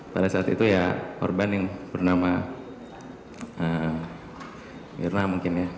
pada saat itu ya korban yang bernama mirna mungkin ya